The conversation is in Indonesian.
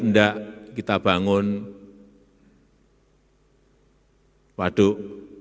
tidak kita bangun waduk